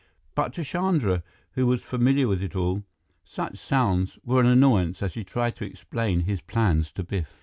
But to Chandra, who was familiar with it all, such sounds were an annoyance as he tried to explain his plans to Biff.